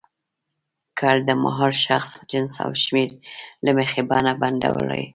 کړ د مهال، شخص، جنس او شمېر له مخې بڼه بدلوي.